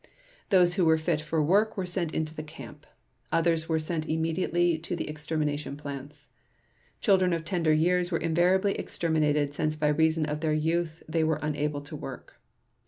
Those who were fit for work were sent into the camp. Others were sent immediately to the extermination plants. Children of tender years were invariably exterminated since by reason of their youth they were unable to work.